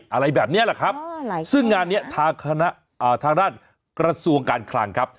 อะไรแบบนี้แหละครับซึ่งงานนี้ทางคณะทางด้านกระทรวงการคลังครับ